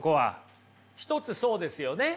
一つそうですよね。